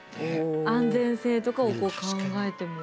安全性とかを考えても。